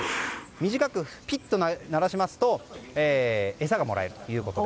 短くピッと鳴らしますと餌がもらえるということで。